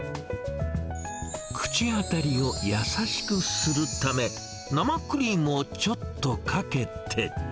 口当たりを優しくするため、生クリームをちょっとかけて。